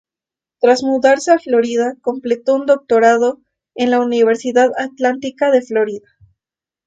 Tras mudarse a Florida, completó un doctorado en la Universidad Atlántica de Florida.